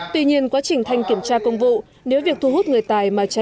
tuy nhiên quá trình thanh kiểm tra công vụ nếu việc thu hút người tài mà trái quy định